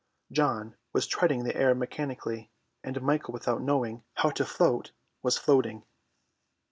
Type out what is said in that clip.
John was treading the air mechanically, and Michael without knowing how to float was floating.